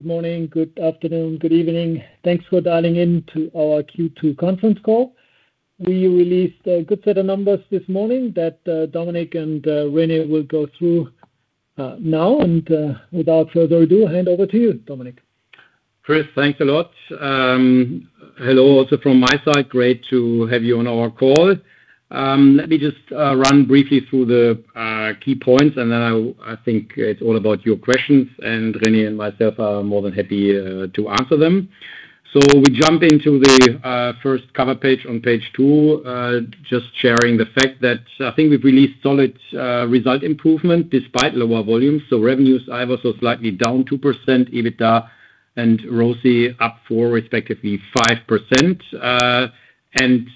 Good morning, good afternoon, good evening. Thanks for dialing in to our Q2 conference call. We released a good set of numbers this morning that, Dominik and, René will go through, now. And, without further ado, I hand over to you, Dominik. Chris, thanks a lot. Hello, also from my side. Great to have you on our call. Let me just run briefly through the key points, and then I think it's all about your questions, and René and myself are more than happy to answer them. So we jump into the first cover page on page two. Just sharing the fact that I think we've released solid result improvement despite lower volumes. So revenues, I have also slightly down 2%, EBITDA and ROCE up 4%, respectively, 5%. And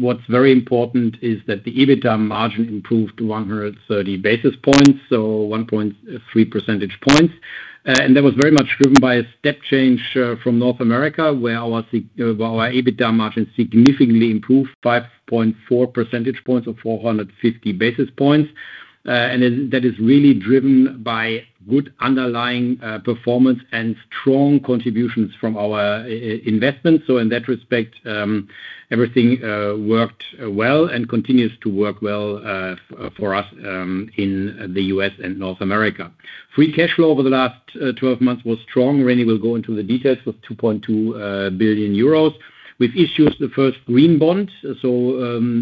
what's very important is that the EBITDA margin improved 130 basis points, so 1.3 percentage points. And that was very much driven by a step change from North America, where our EBITDA margin significantly improved 5.4 percentage points, or 450 basis points. And that is really driven by good underlying performance and strong contributions from our investments. So in that respect, everything worked well and continues to work well for us in the U.S. and North America. Free cash flow over the last 12 months was strong. René will go into the details with 2.2 billion euros. We've issued the first green bond, so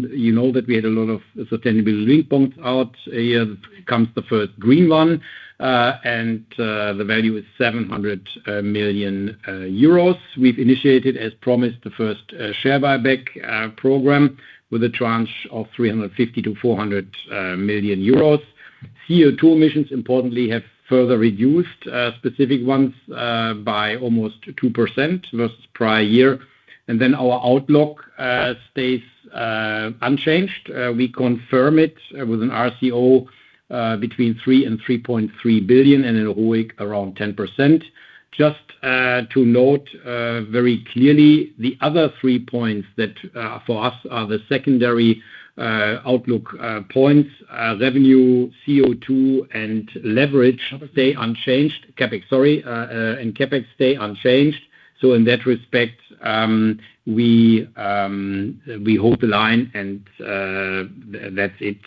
you know that we had a lot of sustainable linked bonds out. Here comes the first green one, and the value is 700 million euros. We've initiated, as promised, the first share buyback program with a tranche of 350 million-400 million euros. CO2 emissions, importantly, have further reduced specific ones by almost 2% versus prior year. And then our outlook stays unchanged. We confirm it with an RCO between 3 billion and 3.3 billion and in ROIC around 10%. Just to note very clearly, the other three points that for us are the secondary outlook points: revenue, CO2, and leverage stay unchanged. CapEx, sorry, and CapEx stay unchanged. So in that respect, we hold the line, and that's it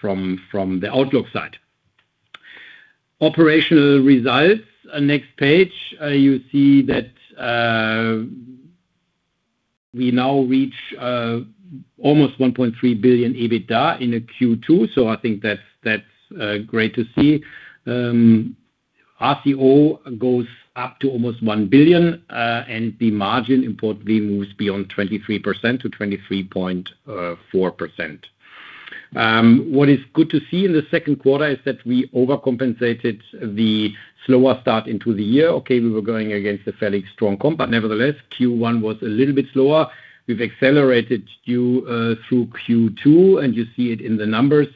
from the outlook side. Operational results. Next page, you see that, we now reach almost 1.3 billion EBITDA in Q2, so I think that's great to see. RCO goes up to almost 1 billion, and the margin importantly moves beyond 23%-23.4%. What is good to see in the second quarter is that we overcompensated the slower start into the year. Okay, we were going against the fairly strong comp, but nevertheless, Q1 was a little bit slower. We've accelerated you through Q2, and you see it in the numbers.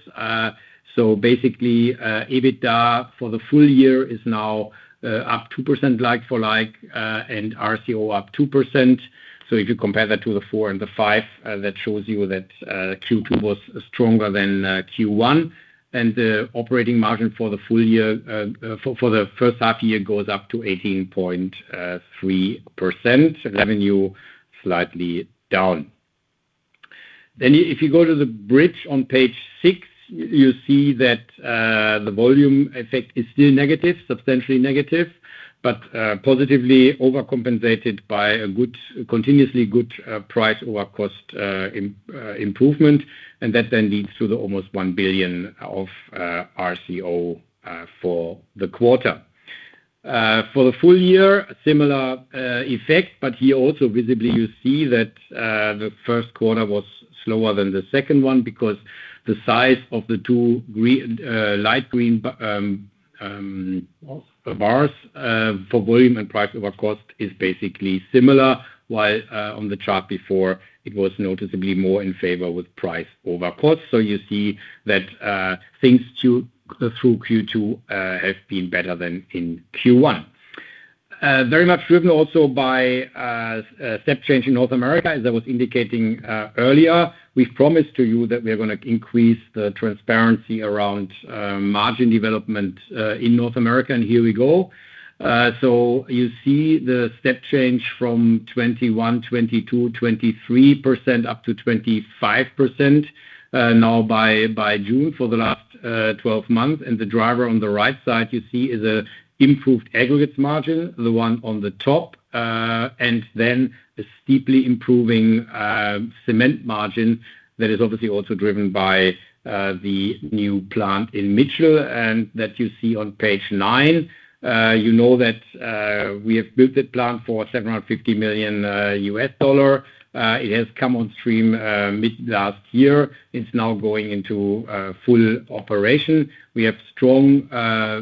So basically, EBITDA for the full year is now up 2% like for like, and RCO up 2%. So if you compare that to the four and the five, that shows you that Q2 was stronger than Q1. The operating margin for the full year, for the first half year, goes up to 18.3%, revenue slightly down. Then if you go to the bridge on page 6, you see that the volume effect is still negative, substantially negative, but positively overcompensated by a good, continuously good price over cost improvement, and that then leads to almost 1 billion of RCO for the quarter. For the full year, a similar effect, but here also visibly, you see that the first quarter was slower than the second one because the size of the two green light green bars for volume and price over cost is basically similar. While on the chart before, it was noticeably more in favor with price over cost. So you see that things through Q2 have been better than in Q1. Very much driven also by a step change in North America, as I was indicating earlier. We promised to you that we are gonna increase the transparency around margin development in North America, and here we go. So you see the step change from 21, 22, 23% up to 25% now by June for the last 12 months. And the driver on the right side, you see, is an improved aggregates margin, the one on the top, and then a steeply improving cement margin that is obviously also driven by the new plant in Mitchell, and that you see on page nine. You know that we have built a plant for $750 million. It has come on stream mid last year. It's now going into full operation. We have strong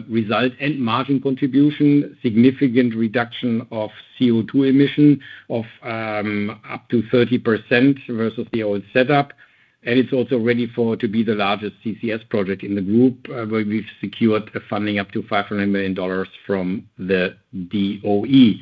result and margin contribution, significant reduction of CO2 emission of up to 30% versus the old setup. And it's also ready for to be the largest CCS project in the group, where we've secured a funding up to $500 million from the DOE.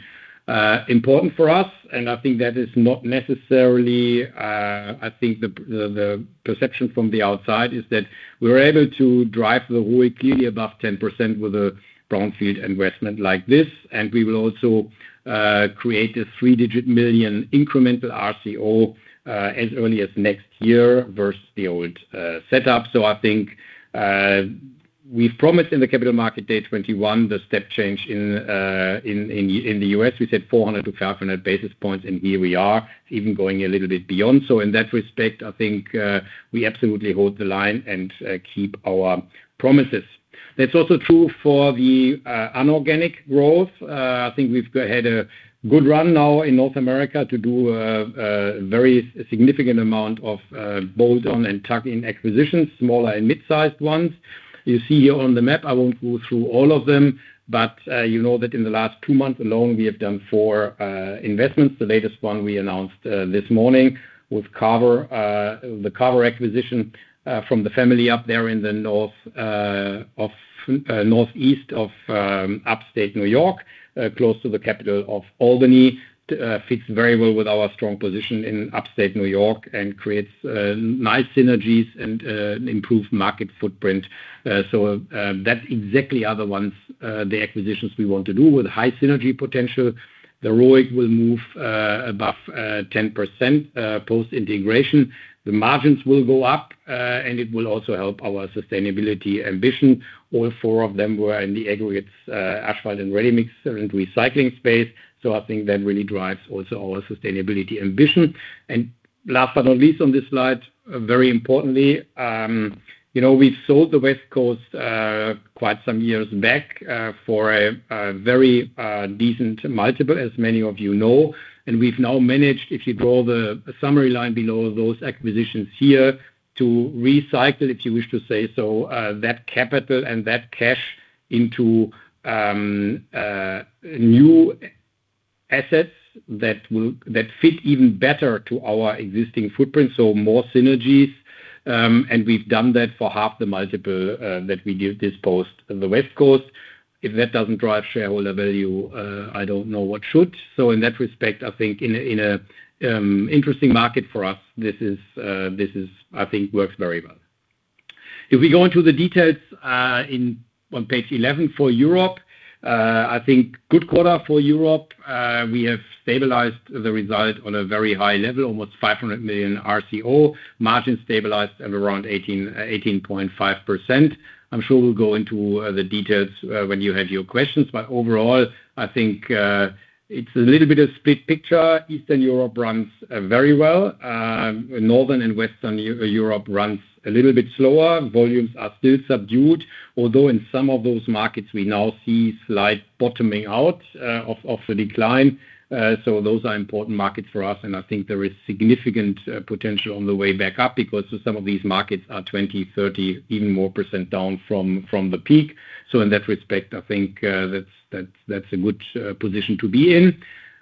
Important for us, and I think that is not necessarily I think the perception from the outside is that we're able to drive the ROIC clearly above 10% with a brownfield investment like this. And we will also create a three-digit million EUR incremental RCO as early as next year versus the old setup. So I think, we've promised in the Capital Market Day 2021, the step change in the U.S. We said 400-500 basis points, and here we are, even going a little bit beyond. So in that respect, I think, we absolutely hold the line and, keep our promises. That's also true for the, inorganic growth. I think we've had a good run now in North America to do, a very significant amount of, bolt-on and tuck-in acquisitions, smaller and mid-sized ones. You see here on the map, I won't go through all of them, but, you know that in the last two months alone, we have done four, investments. The latest one we announced, this morning with Carver. The Carver acquisition, from the family up there in the northeast of, upstate New York, close to the capital of Albany. Fits very well with our strong position in upstate New York and creates, nice synergies and, improved market footprint. So, that's exactly are the ones, the acquisitions we want to do with high synergy potential. The ROIC will move, above, 10%, post-integration. The margins will go up, and it will also help our sustainability ambition. All four of them were in the aggregates, asphalt and ready mix and recycling space. So I think that really drives also our sustainability ambition. And last but not least, on this slide, very importantly, you know, we've sold the West Coast quite some years back for a very decent multiple, as many of you know. And we've now managed, if you draw the summary line below those acquisitions here, to recycle, if you wish to say so, that capital and that cash into new assets that fit even better to our existing footprint, so more synergies. And we've done that for half the multiple that we did dispose of the West Coast. If that doesn't drive shareholder value, I don't know what should. So in that respect, I think in an interesting market for us, this is-- I think works very well. If we go into the details, in on page 11 for Europe, I think good quarter for Europe. We have stabilized the result on a very high level, almost 500 million RCO. Margin stabilized at around 18%-18.5%. I'm sure we'll go into the details when you have your questions, but overall, I think it's a little bit of split picture. Eastern Europe runs very well. Northern and Western Europe runs a little bit slower. Volumes are still subdued, although in some of those markets, we now see slight bottoming out of the decline. So those are important markets for us, and I think there is significant potential on the way back up because some of these markets are 2030, even more percent down from from the peak. So in that respect, I think that's a good position to be in.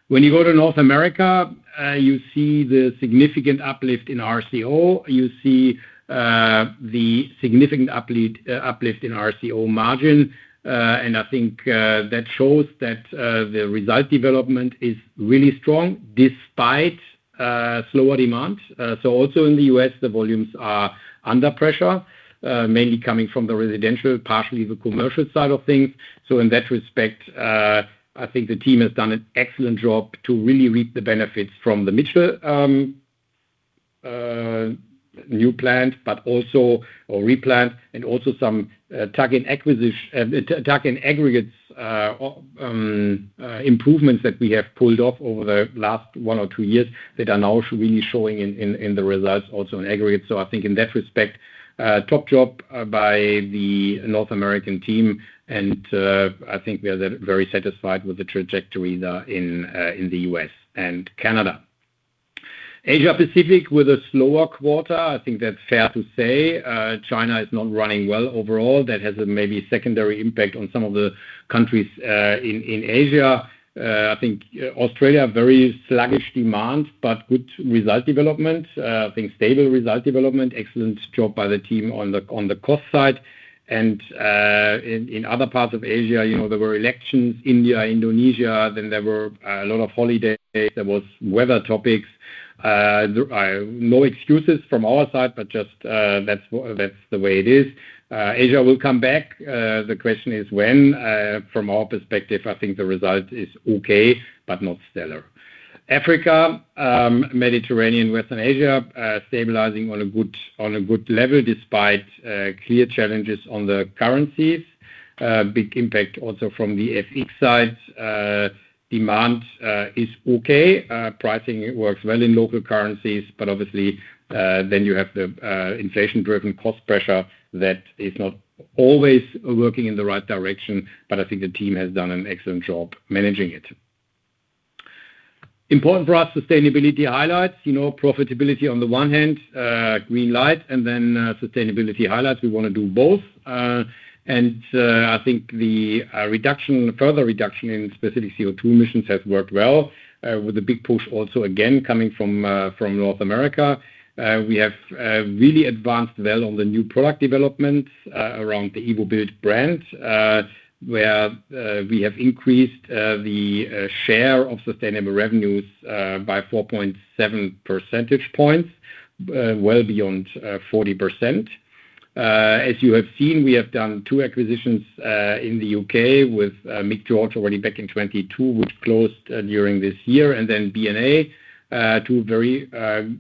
When you go to North America, you see the significant uplift in RCO. You see the significant uplift in RCO margin. And I think that shows that the result development is really strong, despite slower demand. So also in the U.S., the volumes are under pressure, mainly coming from the residential, partially the commercial side of things. So in that respect, I think the team has done an excellent job to really reap the benefits from the Mitchell new plant, but also, or replant, and also some tuck-in acquisition, tuck-in aggregates improvements that we have pulled off over the last one or two years that are now really showing in the results, also in aggregate. So I think in that respect, top job by the North American team, and I think we are very satisfied with the trajectory there in the U.S. and Canada. Asia Pacific with a slower quarter, I think that's fair to say. China is not running well overall. That has a maybe secondary impact on some of the countries in Asia. I think Australia, very sluggish demand, but good result development. I think stable result development. Excellent job by the team on the cost side. In other parts of Asia, you know, there were elections, India, Indonesia, then there were a lot of holidays, there was weather topics. There are no excuses from our side, but just, that's the way it is. Asia will come back. The question is, when? From our perspective, I think the result is okay, but not stellar. Africa, Mediterranean, Western Asia, stabilizing on a good level despite clear challenges on the currencies. Big impact also from the FX side. Demand is okay. Pricing works well in local currencies, but obviously, then you have the inflation-driven cost pressure that is not always working in the right direction, but I think the team has done an excellent job managing it. Important for us, sustainability highlights. You know, profitability on the one hand, green light, and then, sustainability highlights. We want to do both. And, I think the reduction, further reduction in specific CO2 emissions has worked well, with a big push also again, coming from, from North America. We have really advanced well on the new product development, around the evoBuild brand, where we have increased the share of sustainable revenues by 4.7 percentage points well beyond 40%. As you have seen, we have done two acquisitions in the U.K. with Mick George already back in 2022, which closed during this year, and then B&A, two very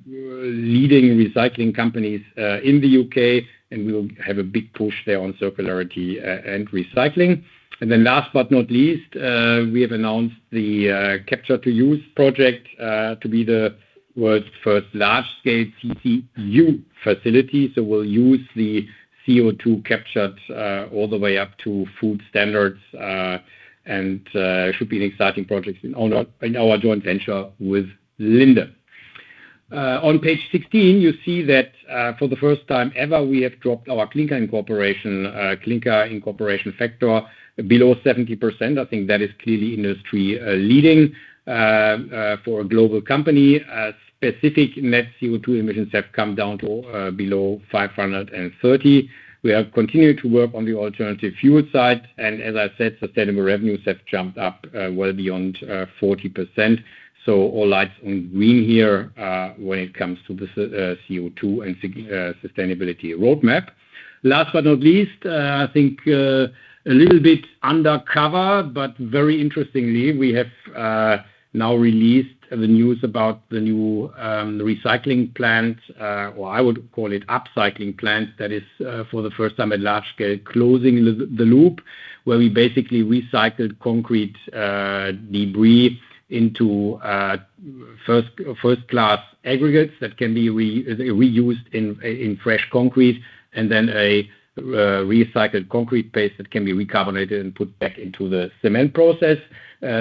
leading recycling companies in the U.K., and we will have a big push there on circularity and recycling. And then last but not least, we have announced the Capture-to-Use project to be the world's first large-scale CTU facility. So we'll use the CO2 captured all the way up to food standards, and it should be an exciting project in our joint venture with Linde. On page 16, you see that for the first time ever, we have dropped our clinker incorporation factor below 70%. I think that is clearly industry-leading for a global company. Specific net CO2 emissions have come down to below 530. We have continued to work on the alternative fuel side, and as I said, sustainable revenues have jumped up well beyond 40%. So all lights on green here when it comes to the CO2 and sustainability roadmap. Last but not least, I think a little bit undercover, but very interestingly, we have now released the news about the new recycling plant, or I would call it upcycling plant. That is, for the first time at large scale, closing the loop, where we basically recycled concrete debris into first-class aggregates that can be reused in fresh concrete, and then recycled concrete paste that can be recarbonated and put back into the cement process.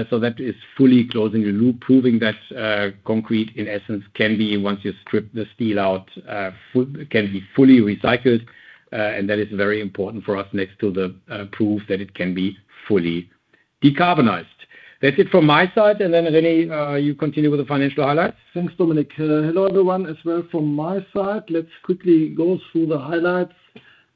So that is fully closing the loop, proving that concrete, in essence, can be, once you strip the steel out, fully recycled, and that is very important for us next to the proof that it can be fully decarbonized. That's it from my side, and then, René, you continue with the financial highlights. Thanks, Dominik. Hello, everyone as well from my side. Let's quickly go through the highlights.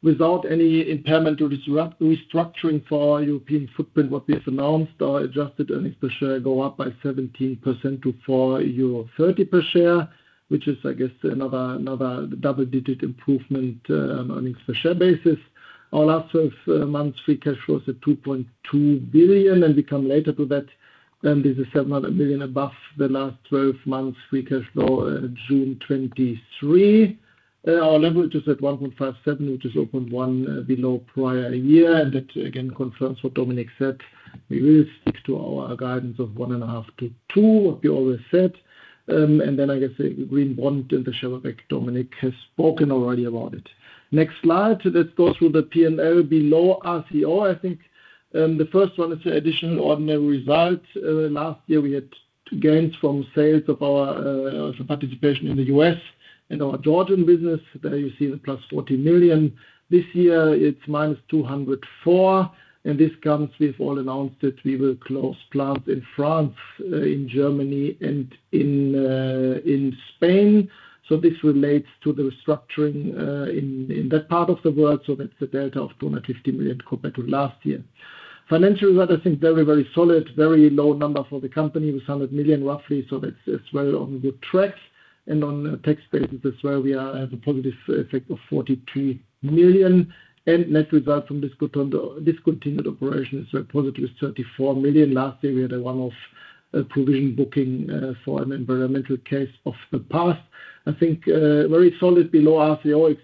Without any impairment or restructuring for our European footprint, what we have announced, our adjusted earnings per share go up by 17% to 4.30 euro per share, which is, I guess, another, another double-digit improvement, on earnings per share basis. Our last twelve months free cash flow is at 2.2 billion, and we come later to that. Then there's 700 million above the last twelve months free cash flow, June 2023. Our leverage is at 1.57, which is 0.1 below prior year, and that again confirms what Dominik said. We will stick to our guidance of 1.5-2, what we always said. And then, I guess, the green bond and the share buyback, Dominik has spoken already about it. Next slide. Let's go through the P&L below RCO. I think, the first one is the additional ordinary results. Last year, we had gains from sales of our, participation in the U.S. and our Jordan business. There you see the +40 million. This year it's -204 million, and this comes, we've all announced that we will close plants in France, in Germany, and in Spain. So this relates to the restructuring, in that part of the world. So that's the delta of 250 million compared to last year. Financial result, I think, very, very solid, very low number for the company, with 100 million, roughly. So that's, it's very on good track. On a tax basis as well, we are at a positive effect of 42 million, and net result from discontinued operation is positively 34 million. Last year, we had a one-off provision booking for an environmental case of the past. I think very solid below RCO,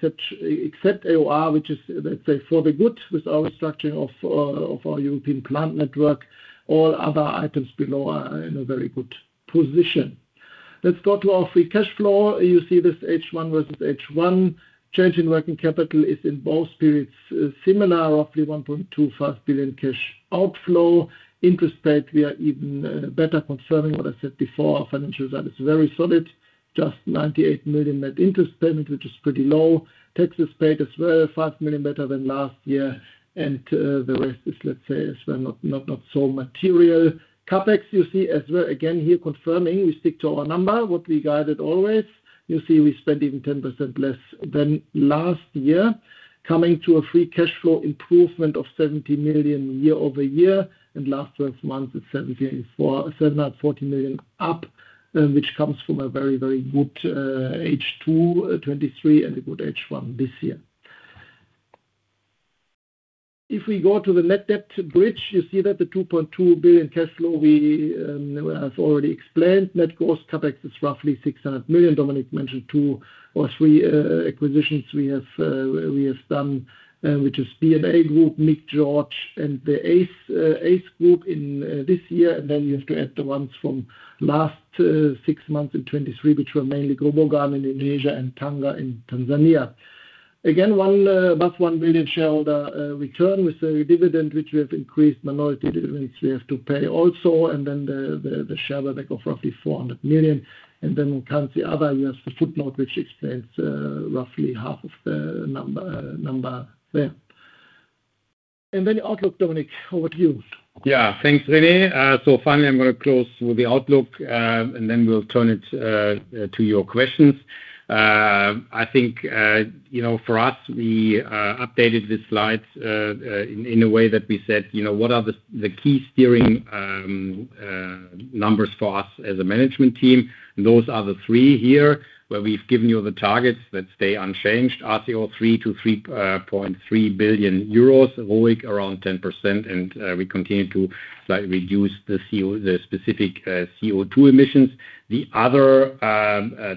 except AOR, which is, let's say, for the good with our structuring of our European plant network. All other items below are in a very good position. Let's go to our free cash flow. You see this H1 versus H1. Change in working capital is in both periods similar, roughly 1.25 billion cash outflow. Interest paid, we are even better confirming what I said before. Our financial result is very solid, just 98 million net interest payment, which is pretty low. Taxes paid as well, 5 million better than last year. And, the rest is, let's say, as well, not, not, not so material. CapEx, you see as well, again, here confirming we stick to our number, what we guided always. You see, we spent even 10% less than last year, coming to a free cash flow improvement of 70 million year-over-year, and last 12 months, it's 747 million up, which comes from a very, very good H2 2023, and a good H1 this year. If we go to the net debt bridge, you see that the 2.2 billion cash flow we, as already explained, net gross CapEx is roughly 600 million. Dominik mentioned two or three acquisitions we have done, which is B&A Group, Mick George Group, and the Ace Group in this year. Then you have to add the ones from last six months in 2023, which were mainly Grobogan in Asia and Tanga Cement in Tanzania. Again, over 1 billion shareholder return with the dividend, which we have increased, minority dividends we have to pay also, and then the share buyback of roughly 400 million. Then when it comes to other, we have the footnote, which explains roughly half of the number there. Then the outlook, Dominik, over to you. Yeah, thanks, René. So finally, I'm gonna close with the outlook, and then we'll turn it to your questions. I think, you know, for us, we updated the slides in a way that we said, you know, what are the key steering numbers for us as a management team? Those are the three here, where we've given you the targets that stay unchanged. RCO 3-3.3 billion euros, ROIC around 10%, and we continue to slightly reduce the specific CO2 emissions. The other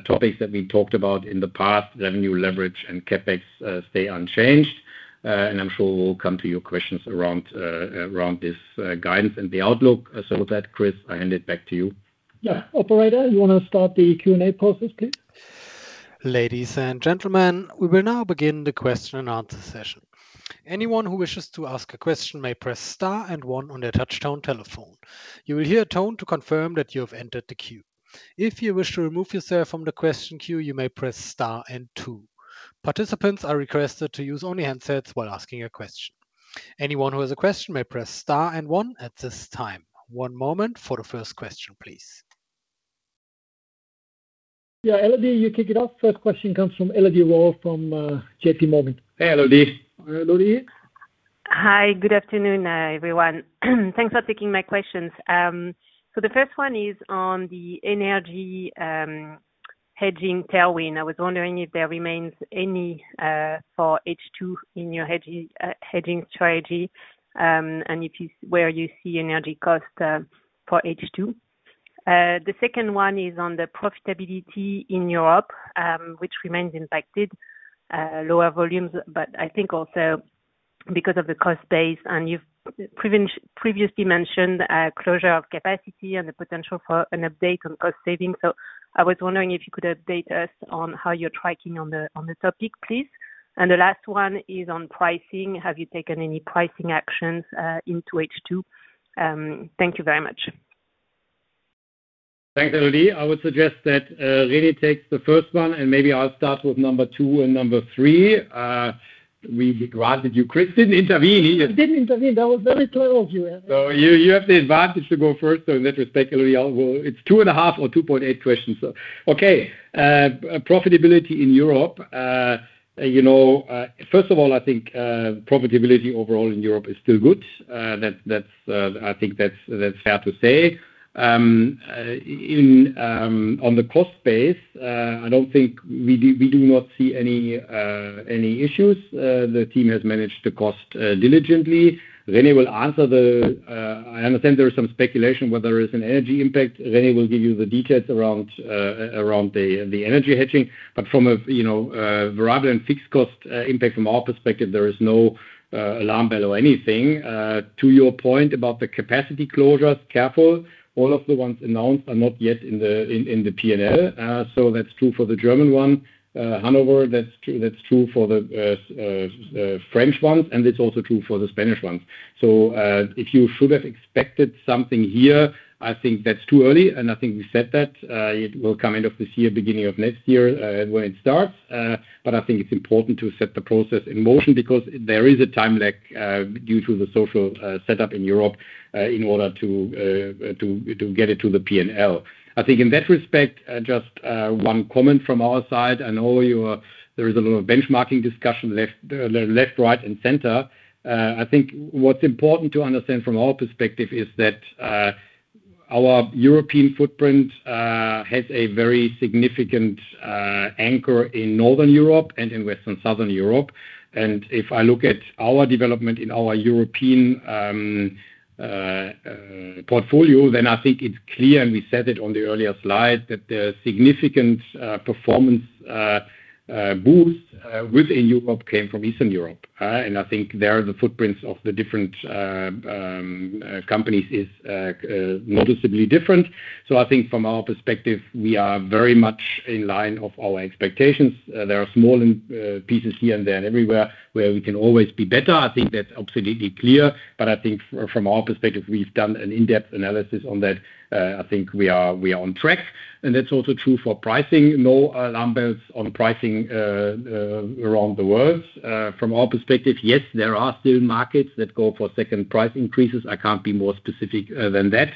topics that we talked about in the past, revenue leverage and CapEx, stay unchanged. And I'm sure we'll come to your questions around this guidance and the outlook. So with that, Chris, I hand it back to you. Yeah. Operator, you wanna start the Q&A process, please? Ladies and gentlemen, we will now begin the question and answer session. Anyone who wishes to ask a question may press star and one on their touchtone telephone. You will hear a tone to confirm that you have entered the queue. If you wish to remove yourself from the question queue, you may press star and two. Participants are requested to use only handsets while asking a question. Anyone who has a question may press star and one at this time. One moment for the first question, please. Yeah, Elodie, you kick it off. First question comes from Elodie Rall from JPMorgan. Hey, Elodie. Hi, Elodie. Hi, good afternoon, everyone. Thanks for taking my questions. So the first one is on the energy hedging tailwind. I was wondering if there remains any for H2 in your hedging strategy, and where you see energy cost for H2? The second one is on the profitability in Europe, which remains impacted lower volumes, but I think also because of the cost base, and you've previously mentioned closure of capacity and the potential for an update on cost savings. So I was wondering if you could update us on how you're tracking on the topic, please. And the last one is on pricing. Have you taken any pricing actions into H2? Thank you very much. Thanks, Elodie. I would suggest that, René takes the first one, and maybe I'll start with number two and number three. We granted you. Chris didn't intervene. You didn't intervene. That was very clever of you. So you have the advantage to go first, so in that respect, Elodie, well, it's 2.5 or 2.8 questions. So, okay, profitability in Europe. You know, first of all, I think, profitability overall in Europe is still good. That's, that's, I think that's, that's fair to say. In, on the cost base, I don't think we do, we do not see any, any issues. The team has managed the cost, diligently. René will answer the. I understand there is some speculation whether there is an energy impact. René will give you the details around, around the, the energy hedging, but from a rather than fixed cost, impact, from our perspective, there is no alarm bell or anything. To your point about the capacity closures, careful, all of the ones announced are not yet in the P&L. So that's true for the German one, Hanover. That's true for the French ones, and it's also true for the Spanish ones. So, if you should have expected something here, I think that's too early, and I think we said that. It will come end of this year, beginning of next year, when it starts. But I think it's important to set the process in motion because there is a time lag due to the social setup in Europe, in order to get it to the P&L. I think in that respect, just one comment from our side. I know you are, there is a lot of benchmarking discussion left, right, and center. I think what's important to understand from our perspective is that, our European footprint has a very significant anchor in Northern Europe and in Western Southern Europe. And if I look at our development in our European portfolio, then I think it's clear, and we said it on the earlier slide, that the significant performance boost within Europe came from Eastern Europe. And I think there, the footprints of the different companies is noticeably different. So I think from our perspective, we are very much in line of our expectations. There are small pieces here and there and everywhere where we can always be better. I think that's absolutely clear, but I think from our perspective, we've done an in-depth analysis on that. I think we are on track, and that's also true for pricing. No alarm bells on pricing around the world. From our perspective, yes, there are still markets that go for second price increases. I can't be more specific than that.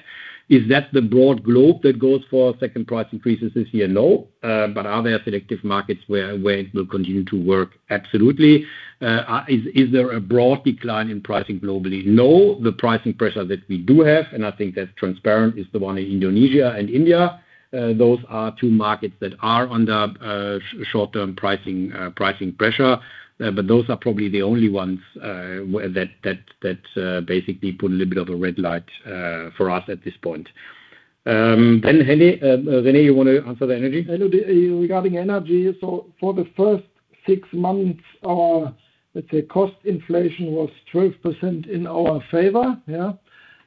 Is that the broad globe that goes for second price increases this year? No. But are there selective markets where it will continue to work? Absolutely. Is there a broad decline in pricing globally? No. The pricing pressure that we do have, and I think that's transparent, is the one in Indonesia and India. Those are two markets that are under short-term pricing pressure, but those are probably the only ones where that basically put a little bit of a red light for us at this point. Then, René, you want to answer the energy? Elodie, regarding energy, so for the first six months, our, let's say, cost inflation was 12% in our favor. Yeah,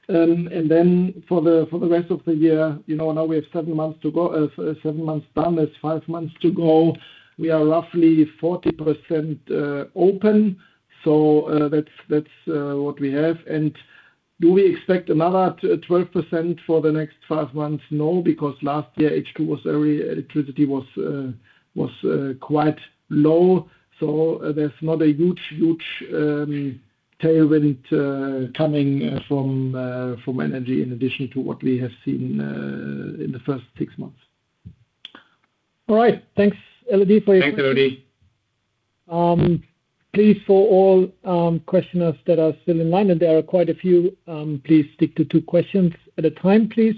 and then for the rest of the year, you know, now we have seven months to go, seven months done, there's five months to go. We are roughly 40% open. So, that's what we have, and- Do we expect another 12% for the next five months? No, because last year, H2 was very, electricity was quite low, so there's not a huge tailwind coming from energy in addition to what we have seen in the first six months. All right. Thanks, Elodie, for your- Thanks, Elodie. Please, for all questioners that are still in line, and there are quite a few, please stick to two questions at a time, please.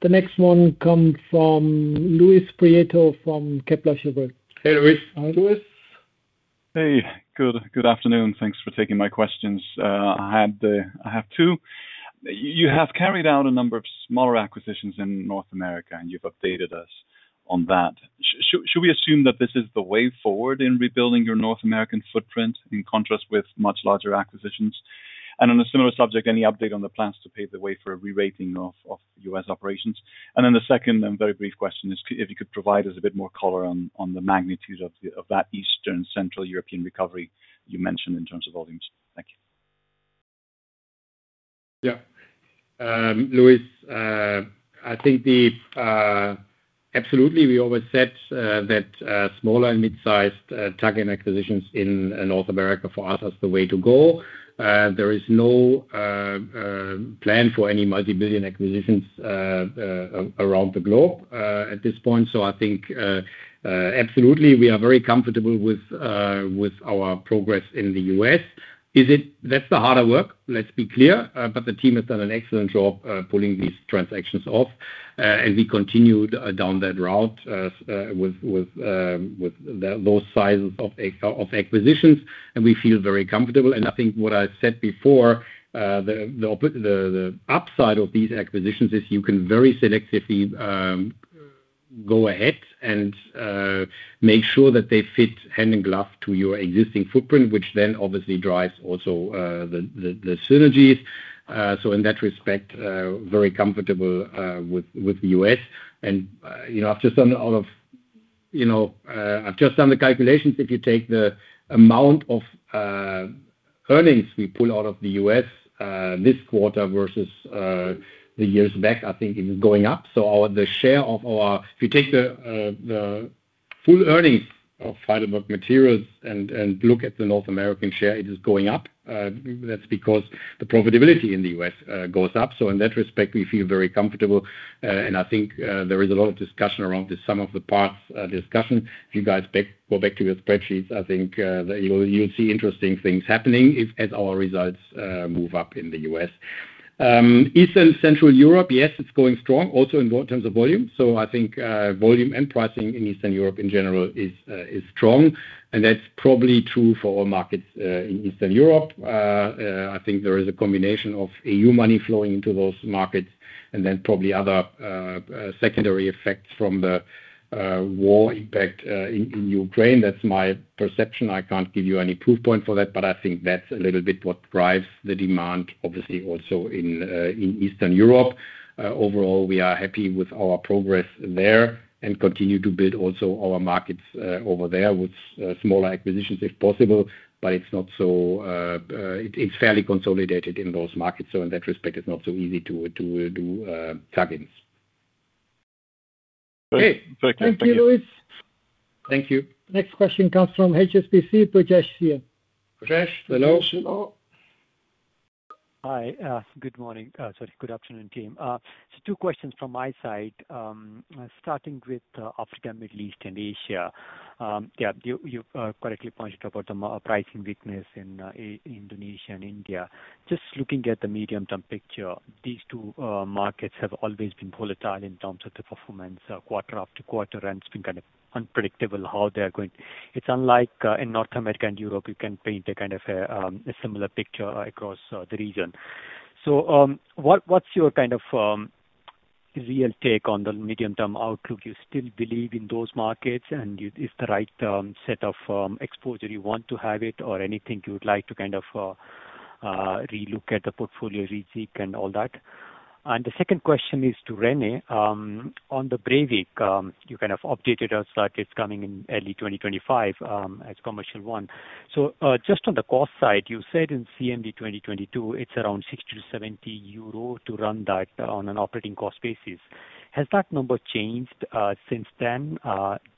The next one comes from Luis Prieto from Kepler Cheuvreux. Hey, Luis. Hi, Luis. Hey, good. Good afternoon. Thanks for taking my questions. I have two. You have carried out a number of smaller acquisitions in North America, and you've updated us on that. Should we assume that this is the way forward in rebuilding your North American footprint in contrast with much larger acquisitions? And on a similar subject, any update on the plans to pave the way for a re-rating of U.S. operations? And then the second and very brief question is if you could provide us a bit more color on the magnitude of that Eastern Central European recovery you mentioned in terms of volumes. Thank you. Yeah. Luis, I think absolutely, we always said that smaller and mid-sized tuck-in acquisitions in North America for us is the way to go. There is no plan for any multi-billion acquisitions around the globe at this point. So I think absolutely, we are very comfortable with our progress in the U.S. Is it. That's the harder work, let's be clear, but the team has done an excellent job pulling these transactions off, and we continued down that route with those sizes of acquisitions, and we feel very comfortable. I think what I said before, the upside of these acquisitions is you can very selectively go ahead and make sure that they fit hand in glove to your existing footprint, which then obviously drives also the synergies. So in that respect, very comfortable with the U.S. And, you know, I've just done the calculations. If you take the amount of earnings we pull out of the U.S., this quarter versus the years back, I think it is going up. So our, the share of our-- If you take the full earnings of Heidelberg Materials and look at the North American share, it is going up. That's because the profitability in the U.S. goes up. So in that respect, we feel very comfortable, and I think there is a lot of discussion around this, some of the parts discussion. If you guys go back to your spreadsheets, I think that you will, you'll see interesting things happening if as our results move up in the U.S. Eastern Central Europe, yes, it's going strong, also in volume terms. So I think volume and pricing in Eastern Europe in general is strong, and that's probably true for all markets in Eastern Europe. I think there is a combination of E.U. money flowing into those markets and then probably other secondary effects from the war impact in Ukraine. That's my perception. I can't give you any proof point for that, but I think that's a little bit what drives the demand, obviously, also in Eastern Europe. Overall, we are happy with our progress there and continue to build also our markets over there with smaller acquisitions, if possible. But it's not so. It's fairly consolidated in those markets. So in that respect, it's not so easy to do tuck-ins. Okay. Thank you. Thank you, Luis. Thank you. Next question comes from HSBC, Parash Jain. Rajesh, hello. Hello. Hi, good morning. Sorry, good afternoon, team. So two questions from my side. Starting with Africa, Middle East, and Asia. Yeah, you correctly pointed about the pricing weakness in Indonesia and India. Just looking at the medium-term picture, these two markets have always been volatile in terms of the performance quarter-after-quarter, and it's been kind of unpredictable how they are going. It's unlike in North America and Europe, you can paint a kind of a similar picture across the region. So, what’s your kind of real take on the medium-term outlook? Do you still believe in those markets, and you, is the right, set of, exposure you want to have it, or anything you would like to kind of, relook at the portfolio, recheck and all that? And the second question is to René. On the Brevik, you kind of updated us that it's coming in early 2025, as commercial one. So, just on the cost side, you said in CMD 2022, it's around 60-70 euro to run that on an operating cost basis. Has that number changed, since then,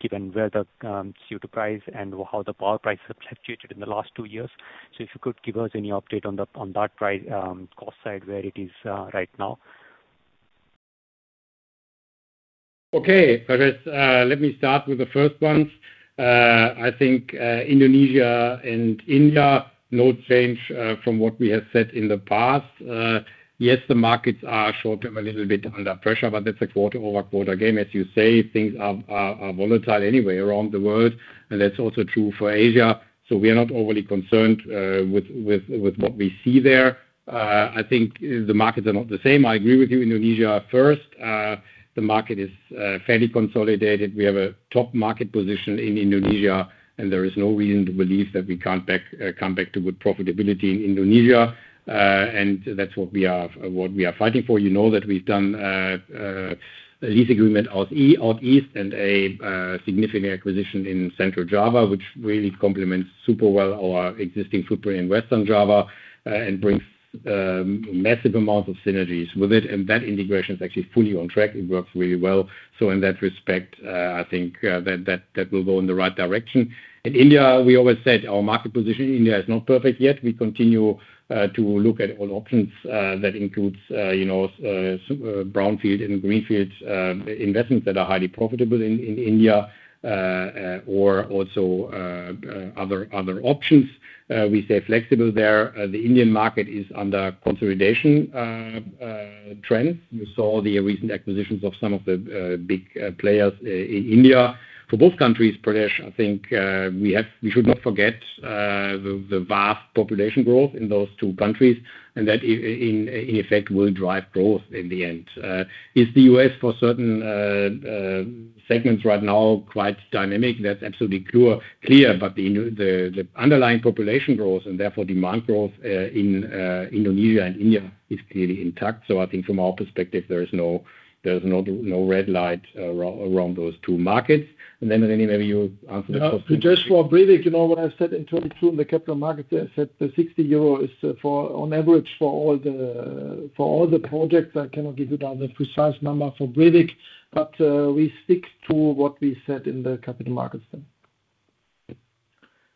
given where the, CO2 price and how the power price have fluctuated in the last two years? So if you could give us any update on the, on that pri- cost side, where it is, right now. Okay, Parash, let me start with the first one. I think, Indonesia and India, no change from what we have said in the past. Yes, the markets are short-term, a little bit under pressure, but that's a quarter-over-quarter game. As you say, things are volatile anyway around the world, and that's also true for Asia. So we are not overly concerned with what we see there. I think the markets are not the same. I agree with you, Indonesia, first, the market is fairly consolidated. We have a top market position in Indonesia, and there is no reason to believe that we can't come back to good profitability in Indonesia. And that's what we are fighting for. You know, that we've done a lease agreement out east and a significant acquisition in Central Java, which really complements super-well our existing footprint in Western Java, and brings massive amounts of synergies with it. And that integration is actually fully on track. It works really well. So in that respect, I think that will go in the right direction. In India, we always said our market position in India is not perfect yet. We continue to look at all options, that includes, you know, brownfield and greenfield investments that are highly profitable in India, or also other options. We stay flexible there. The Indian market is under consolidation trend. You saw the recent acquisitions of some of the big players in India. For both countries, Rajesh, I think we should not forget the vast population growth in those two countries, and that in effect will drive growth in the end. Is the U.S. for certain segments right now quite dynamic? That's absolutely clear, but the underlying population growth and therefore demand growth in Indonesia and India is clearly intact. So I think from our perspective, there's no red light around those two markets. And then, maybe you answer the question. Just for Brevik, you know what I said in 2022, in the capital markets. I said the 60 euro is for, on average, for all the projects. I cannot give you the precise number for Brevik, but we stick to what we said in the capital markets then.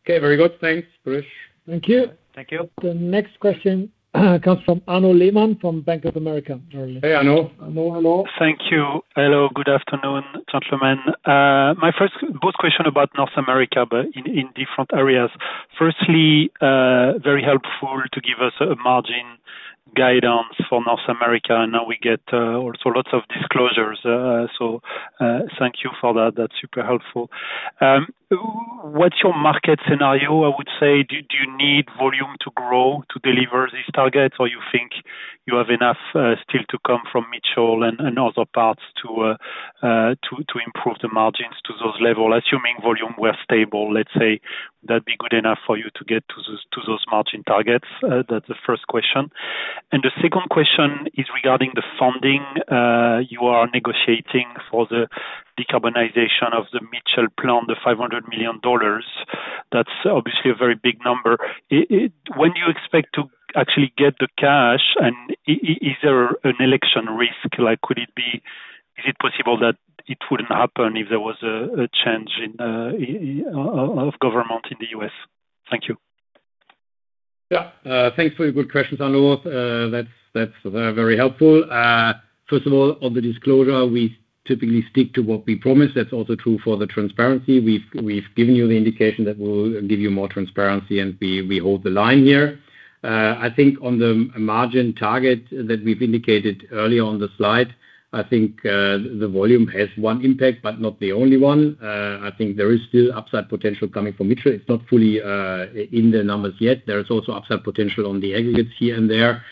Okay, very good. Thanks, Paresh. Thank you. Thank you. The next question comes from Arnaud Lehmann from Bank of America. Hey, Arnaud. Arnaud, hello. Thank you. Hello, good afternoon, gentlemen. My first both questions about North America, but in different areas. Firstly, very helpful to give us a margin guidance for North America, and now we get also lots of disclosures. So, thank you for that. That's super helpful. What's your market scenario? I would say, do you need volume to grow to deliver these targets, or you think you have enough still to come from Mitchell and other parts to improve the margins to those levels? Assuming volume were stable, let's say, that'd be good enough for you to get to those margin targets. That's the first question. And the second question is regarding the funding you are negotiating for the decarbonization of the Mitchell plant, the $500 million. That's obviously a very big number. When do you expect to actually get the cash? And, is there an election risk? Like, could it be, is it possible that it wouldn't happen if there was a change in government in the U.S.? Thank you. Yeah, thanks for your good questions, Arnaud. That's very helpful. First of all, on the disclosure, we typically stick to what we promised. That's also true for the transparency. We've given you the indication that we'll give you more transparency, and we hold the line here. I think on the margin target that we've indicated earlier on the slide, I think the volume has one impact, but not the only one. I think there is still upside potential coming from Mitchell. It's not fully in the numbers yet. There is also upside potential on the aggregates here and there.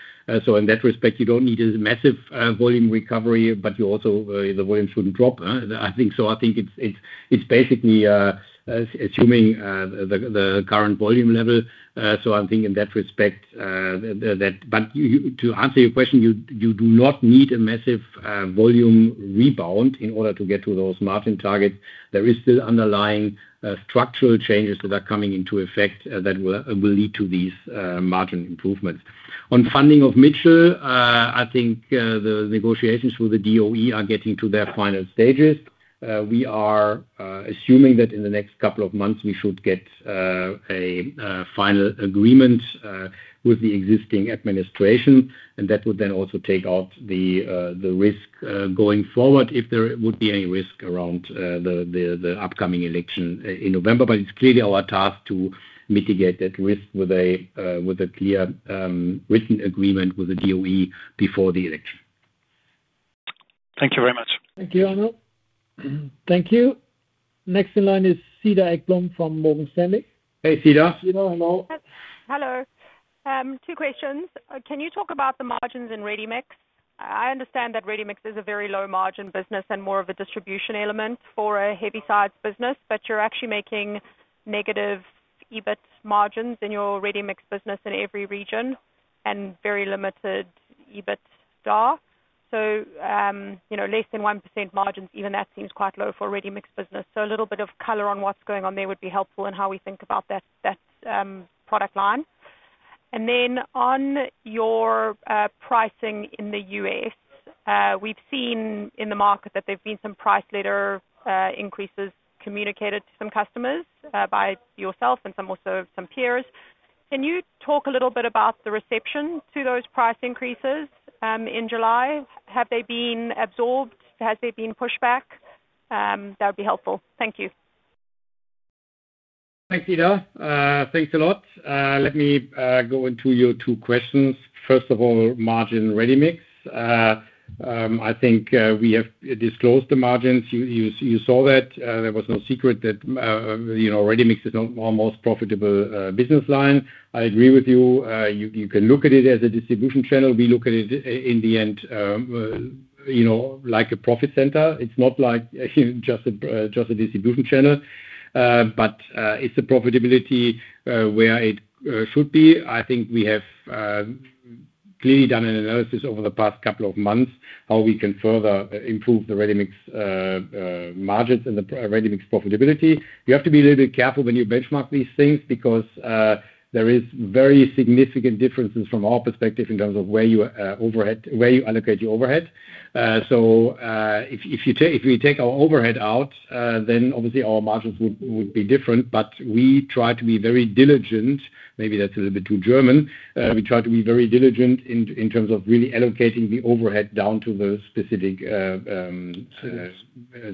So in that respect, you don't need a massive volume recovery, but you also the volume shouldn't drop, I think. So I think it's basically assuming the current volume level. So I think in that respect, but you, to answer your question, you do not need a massive volume rebound in order to get to those margin targets. There is still underlying structural changes that are coming into effect that will lead to these margin improvements. On funding of Mitchell, I think the negotiations with the DOE are getting to their final stages. We are assuming that in the next couple of months, we should get a final agreement with the existing administration. And that would then also take out the risk going forward, if there would be any risk around the upcoming election in November. But it's clearly our task to mitigate that risk with a clear written agreement with the DOE before the election. Thank you very much. Thank you, Arnaud. Thank you. Next in line is Cedar Ekblom from Morgan Stanley. Hey, Cedar. Cedar, hello. Hello. Two questions. Can you talk about the margins in Ready Mix? I understand that Ready Mix is a very low margin business and more of a distribution element for a heavyside business, but you're actually making negative EBIT margins in your Ready Mix business in every region, and very limited EBITDA. So, you know, less than 1% margins, even that seems quite low for a Ready Mix business. So a little bit of color on what's going on there would be helpful and how we think about that product line. And then on your pricing in the U.S., we've seen in the market that there have been some price leader increases communicated to some customers by yourself and some peers. Can you talk a little bit about the reception to those price increases in July? Have they been absorbed? Has there been pushback? That would be helpful. Thank you. Thanks, Cedar. Thanks a lot. Let me go into your two questions. First of all, margin ready-mix. I think we have disclosed the margins. You saw that there was no secret that, you know, ready-mix is not our most profitable business line. I agree with you. You can look at it as a distribution channel. We look at it in the end, you know, like a profit center. It's not like just a distribution channel, but it's a profitability where it should be. I think we have clearly done an analysis over the past couple of months, how we can further improve the ready-mix margins and the ready-mix profitability. You have to be a little bit careful when you benchmark these things because there is very significant differences from our perspective in terms of where you allocate your overhead. So, if we take our overhead out, then obviously our margins would be different. But we try to be very diligent. Maybe that's a little bit too German. We try to be very diligent in terms of really allocating the overhead down to the specific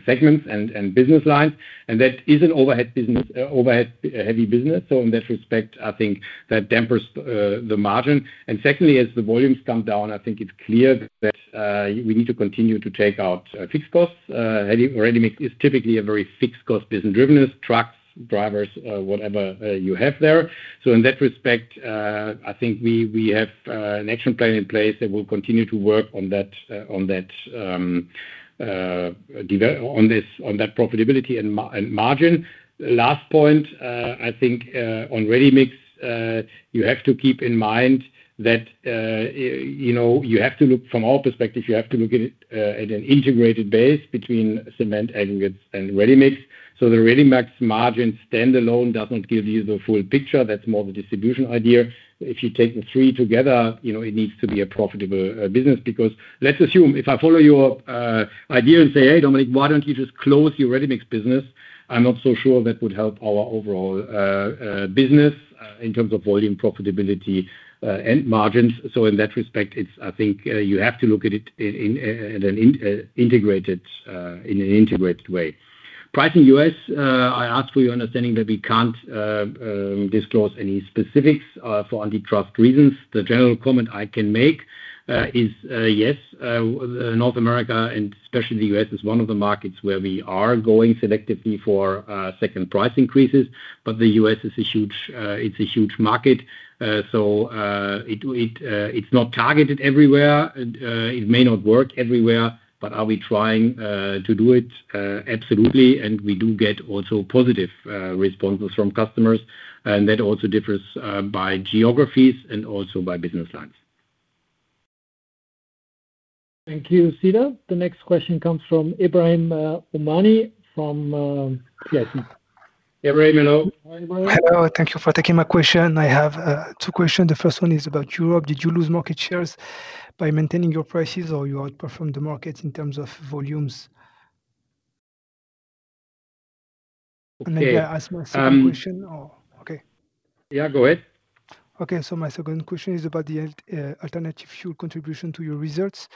segments and business lines, and that is an overhead-heavy business. So in that respect, I think that dampens the margin. And secondly, as the volumes come down, I think it's clear that we need to continue to take out fixed costs. Ready-mix is typically a very fixed cost business, driven as trucks, drivers, whatever you have there. So in that respect, I think we have an action plan in place that will continue to work on that profitability and margin. Last point, I think on ready-mix, you have to keep in mind that you know, you have to look from all perspectives. You have to look at it at an integrated base between cement, aggregates, and ready-mix. So the ready-mix margin standalone doesn't give you the full picture. That's more of a distribution idea. If you take the three together, you know, it needs to be a profitable business. Because let's assume, if I follow your idea and say, "Hey, Dominik, why don't you just close your ready-mix business?" I'm not so sure that would help our overall business in terms of volume, profitability, and margins. So in that respect, it's. I think you have to look at it in an integrated way. Pricing, U.S., I ask for your understanding that we can't disclose any specifics for antitrust reasons. The general comment I can make is yes, North America, and especially the U.S., is one of the markets where we are going selectively for second price increases. But the U.S. is a huge market, so it's not targeted everywhere. It may not work everywhere, but are we trying to do it? Absolutely. And we do get also positive responses from customers, and that also differs by geographies and also by business lines. Thank you, Cedar. The next question comes from Ebrahim Homrani from SG. Ebrahim, hello. Hi, Ebrahim. Hello. Thank you for taking my question. I have two questions. The first one is about Europe. Did you lose market shares by maintaining your prices, or you outperformed the market in terms of volumes? Okay, um- Maybe I ask my second question or? Okay. Yeah, go ahead. Okay. So my second question is about the alternative fuel contribution to your results.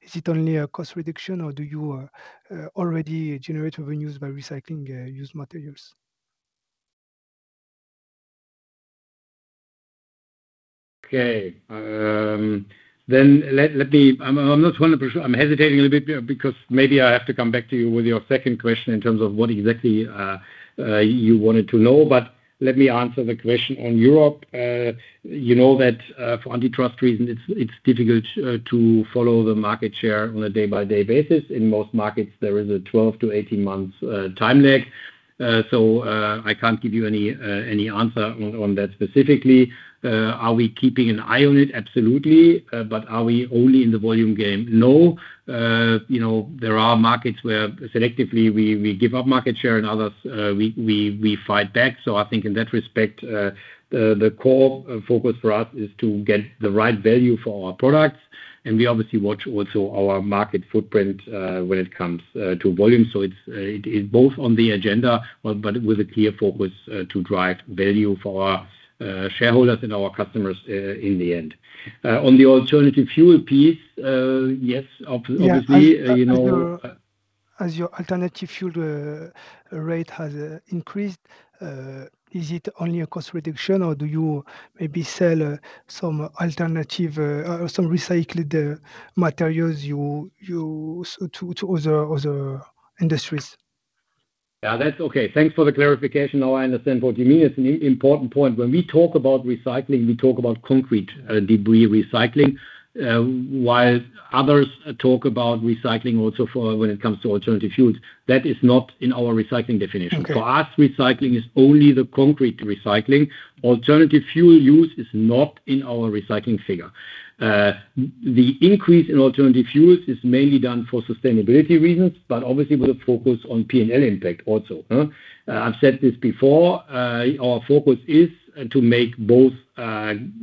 Is it only a cost reduction, or do you already generate revenues by recycling used materials? Okay, then let me. I'm not 100% sure. I'm hesitating a little bit because maybe I have to come back to you with your second question in terms of what exactly you wanted to know, but let me answer the question on Europe. You know that, for antitrust reasons, it's difficult to follow the market share on a day-by-day basis. In most markets, there is a 12-to-18-month time lag, so I can't give you any answer on that specifically. Are we keeping an eye on it? Absolutely. But are we only in the volume game? No. You know, there are markets where selectively we give up market share, and others we fight back. So I think in that respect, the core focus for us is to get the right value for our products, and we obviously watch also our market footprint, when it comes to volume. So it's both on the agenda, but with a clear focus to drive value for our shareholders and our customers in the end. On the alternative fuel piece, yes, obviously, you know- Yeah, as your alternative fuel rate has increased, is it only a cost reduction, or do you maybe sell some alternative or some recycled materials you use to other industries? Yeah, that's okay. Thanks for the clarification. Now I understand what you mean. It's an important point. When we talk about recycling, we talk about concrete debris recycling, while others talk about recycling also for when it comes to alternative fuels. That is not in our recycling definition. Okay. For us, recycling is only the concrete recycling. Alternative fuel use is not in our recycling figure. The increase in alternative fuels is mainly done for sustainability reasons, but obviously, with a focus on P&L impact also, huh? I've said this before, our focus is to make both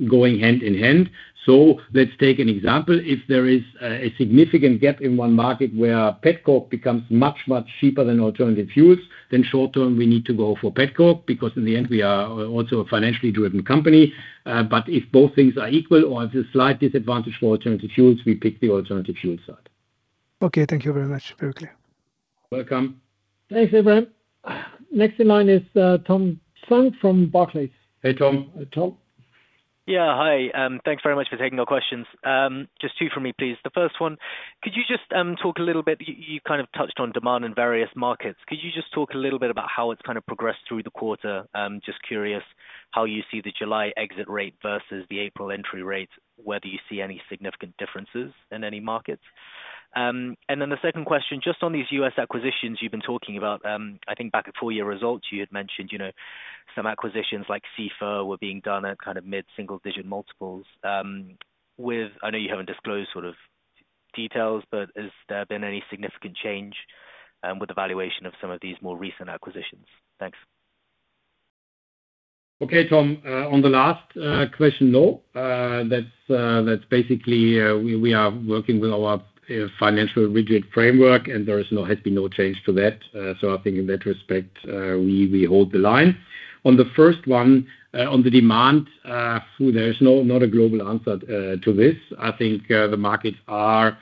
going hand in hand. So let's take an example. If there is a significant gap in one market where petcoke becomes much, much cheaper than alternative fuels, then short term, we need to go for petcoke, because in the end, we are also a financially driven company. But if both things are equal or has a slight disadvantage for alternative fuels, we pick the alternative fuel side. Okay, thank you very much, very clear. Welcome. Thanks, everyone. Next in line is Tom Sykes from Barclays. Hey, Tom. Hey, Tom. Yeah, hi. Thanks very much for taking our questions. Just two for me, please. The first one, could you just talk a little bit you kind of touched on demand in various markets. Could you just talk a little bit about how it's kind of progressed through the quarter? Just curious how you see the July exit rate versus the April entry rate, whether you see any significant differences in any markets. And then the second question, just on these U.S. acquisitions you've been talking about. I think back at full-year results, you had mentioned, you know, some acquisitions like SEFA were being done at kind of mid-single-digit multiples. I know you haven't disclosed sort of details, but has there been any significant change with the valuation of some of these more recent acquisitions? Thanks. Okay, Tom. On the last question, no, that's basically we are working with our financial rigid framework, and there has been no change to that. So I think in that respect, we hold the line. On the first one, on the demand, so there is not a global answer to this. I think the markets are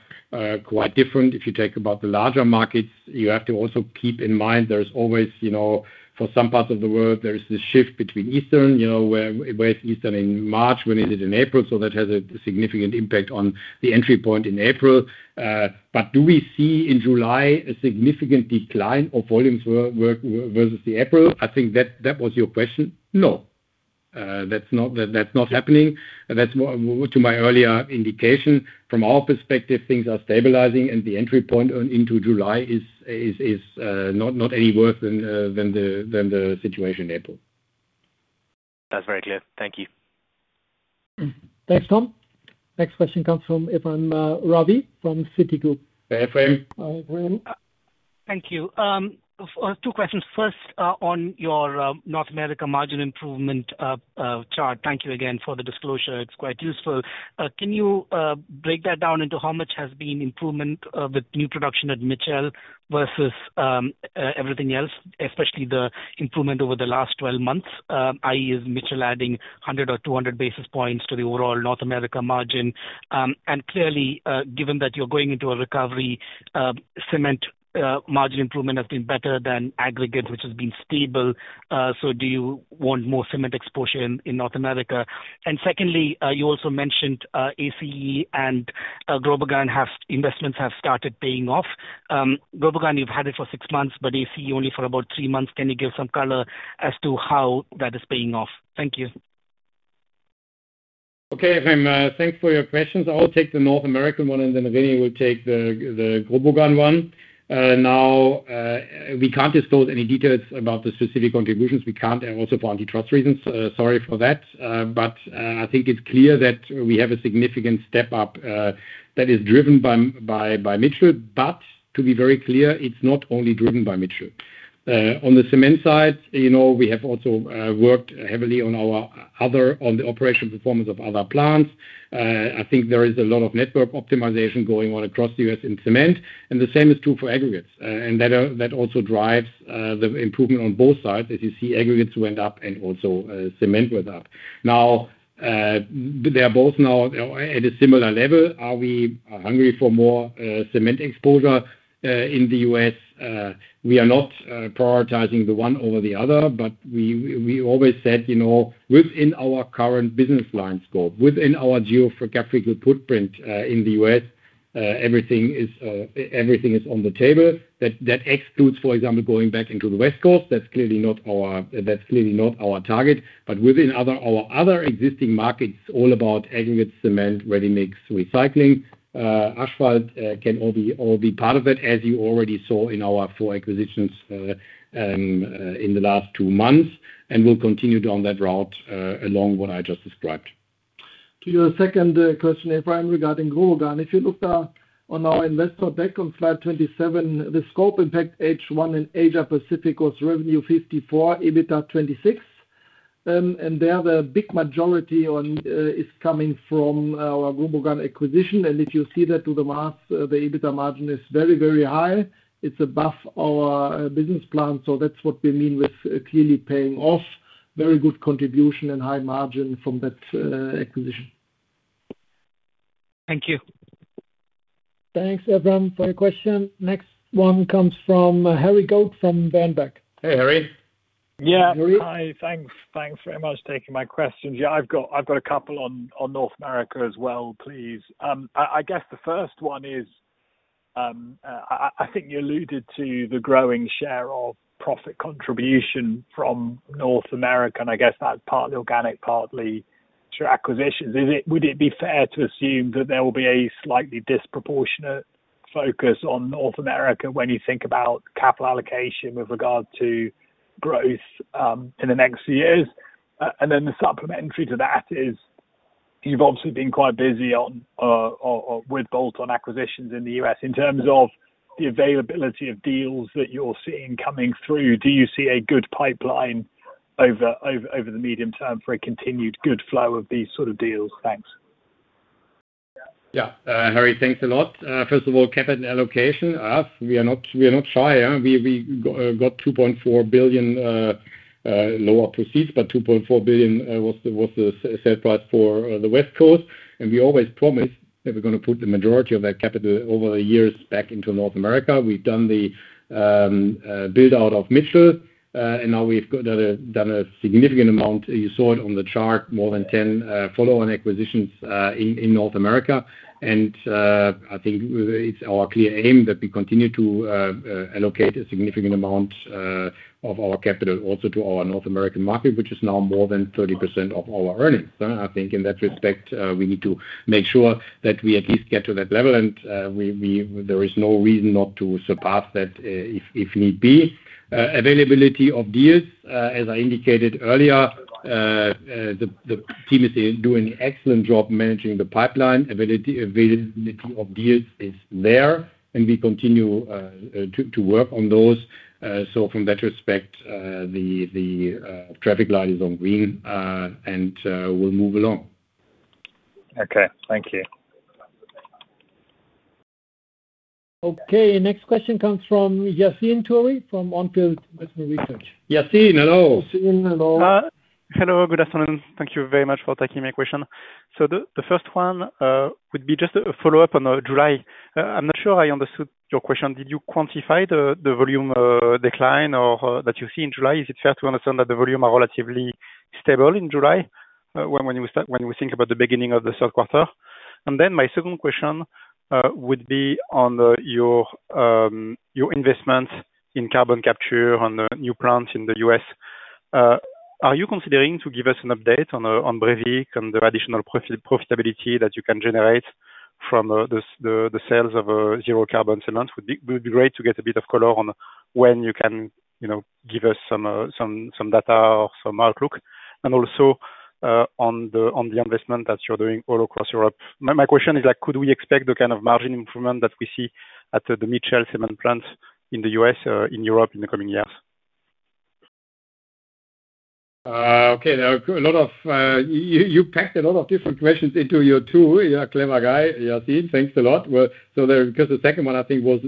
quite different. If you talk about the larger markets, you have to also keep in mind there's always, you know, for some parts of the world, there is this shift between Easter, you know, where is Easter in March, when is it in April? So that has a significant impact on the entry point in April. But do we see in July a significant decline of volumes work versus the April? I think that was your question. No, that's not happening. That's more to my earlier indication. From our perspective, things are stabilizing, and the entry point on into July is not any worse than the situation in April. That's very clear. Thank you. Thanks, Tom. Next question comes from Ravi from Citigroup. Hey, Ravi. Hi, Ravi. Thank you. Two questions. First, on your North America margin improvement chart. Thank you again for the disclosure. It's quite useful. Can you break that down into how much has been improvement with new production at Mitchell versus everything else, especially the improvement over the last 12 months? i.e., is Mitchell adding 100 or 200 basis points to the overall North America margin? And clearly, given that you're going into a recovery, cement margin improvement has been better than aggregate, which has been stable. So do you want more cement exposure in North America? And secondly, you also mentioned Ace and Grobogan have investments have started paying off. Grobogan, you've had it for 6 months, but Ace only for about 3 months. Can you give some color as to how that is paying off? Thank you. Okay, Ravi, thanks for your questions. I'll take the North American one, and then Rainer will take the Grobogan one. Now, we can't disclose any details about the specific contributions. We can't, and also for antitrust reasons. Sorry for that. But, I think it's clear that we have a significant step up that is driven by Mitchell. But to be very clear, it's not only driven by Mitchell. On the cement side, you know, we have also worked heavily on our other, on the operation performance of other plants. I think there is a lot of network optimization going on across the U.S. in cement, and the same is true for aggregates. And that also drives the improvement on both sides. As you see, aggregates went up and also, cement went up. Now, they are both now at a similar level. Are we hungry for more cement exposure in the U.S.? We are not prioritizing the one over the other, but we always said, you know, within our current business line scope, within our geographical footprint in the U.S., everything is on the table. That excludes, for example, going back into the West Coast. That's clearly not our target. But within our other existing markets, all about aggregate cement, ready mix, recycling, asphalt can all be part of it, as you already saw in our four acquisitions in the last two months, and we'll continue down that route along what I just described. To your second question, Ravi, regarding Grobogan. If you look on our investor deck on slide 27, the scope impact H1 in Asia Pacific was revenue 54 million, EBITDA 26 million. And there, the big majority on is coming from our Grobogan acquisition. And if you see that through the math, the EBITDA margin is very, very high. It's above our business plan. So that's what we mean with clearly paying off. Very good contribution and high margin from that acquisition. Thank you. Thanks, Ravi, for your question. Next one comes from Harry Goad from Bernstein. Hey, Harry. Yeah. Harry. Hi. Thanks. Thanks very much for taking my questions. Yeah, I've got a couple on North America as well, please. I guess the first one is, I think you alluded to the growing share of profit contribution from North America, and I guess that's partly organic, partly through acquisitions. Would it be fair to assume that there will be a slightly disproportionate focus on North America when you think about capital allocation with regard to growth in the next few years? And then the supplementary to that is, you've obviously been quite busy on with bolt-on acquisitions in the U.S. In terms of the availability of deals that you're seeing coming through, do you see a good pipeline over the medium term for a continued good flow of these sort of deals? Thanks. Yeah, Harry, thanks a lot. First of all, capital allocation. We are not shy. We got $2.4 billion lower proceeds, but $2.4 billion was the sale price for the West Coast. And we always promise that we're going to put the majority of that capital over the years back into North America. We've done the build-out of Mitchell, and now we've done a significant amount. You saw it on the chart, more than 10 follow-on acquisitions in North America. And I think it's our clear aim that we continue to allocate a significant amount of our capital also to our North American market, which is now more than 30% of our earnings. I think in that respect, we need to make sure that we at least get to that level, and there is no reason not to surpass that, if need be. Availability of deals, as I indicated earlier, the traffic light is on green, and we'll move along. Okay. Thank you. Okay. Next question comes from Yassine Touahri, from OnField Investment Research. Yassine, hello. Yassine, hello. Hello, good afternoon. Thank you very much for taking my question. So the first one would be just a follow-up on July. I'm not sure I understood your question. Did you quantify the volume decline or that you see in July? Is it fair to understand that the volume are relatively stable in July, when you think about the beginning of the third quarter? And then my second question would be on your investment in carbon capture on the new plant in the U.S. Are you considering to give us an update on Brevik and the additional profitability that you can generate from the sales of zero carbon cement? Would be great to get a bit of color on when you can, you know, give us some data or some outlook, and also on the investment that you're doing all across Europe. My question is like, could we expect the kind of margin improvement that we see at the Mitchell cement plants in the U.S. in Europe in the coming years? Okay, there are a lot of--You packed a lot of different questions into your two. You're a clever guy, Yasin. Thanks a lot. Well, so then, because the second one, I think, was,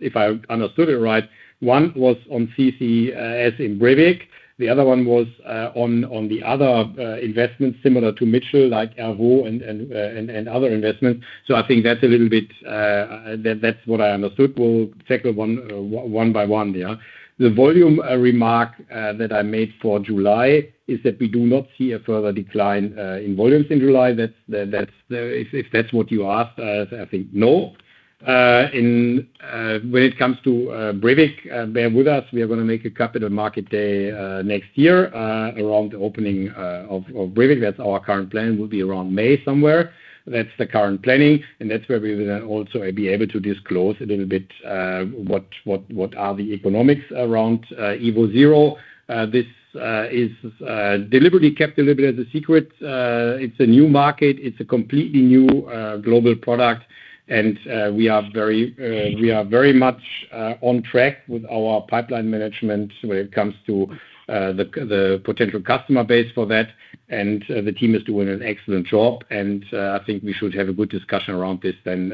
if I understood it right, one was on CCS as in Brevik, the other one was on the other investments similar to Mitchell, like evoZero and other investments. So I think that's a little bit, that's what I understood. We'll tackle one by one here. The volume remark that I made for July is that we do not see a further decline in volumes in July. That's if that's what you asked, I think no. When it comes to Brevik, bear with us, we are going to make a capital market day next year, around the opening of Brevik. That's our current plan, will be around May somewhere. That's the current planning, and that's where we will also be able to disclose a little bit what the economics around evoZero. This is deliberately kept a little bit as a secret. It's a new market. It's a completely new global product, and we are very much on track with our pipeline management when it comes to the potential customer base for that. And the team is doing an excellent job, and I think we should have a good discussion around this then,